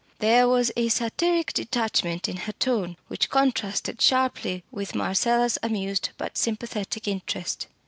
There was a satiric detachment in her tone which contrasted sharply with Marcella's amused but sympathetic interest.